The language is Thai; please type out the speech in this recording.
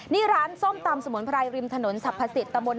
นี่ร้านส้มตำสมุนไพรริมถนนสรรพสิทธิ